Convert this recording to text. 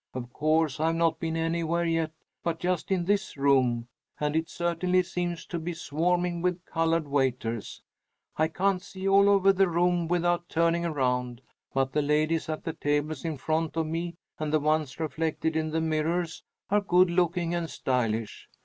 Of course I've not been anywhere yet but just in this room, and it certainly seems to be swarming with colored waiters. I can't see all over the room without turning around, but the ladies at the tables in front of me and the ones reflected in the mirrors are good looking and stylish.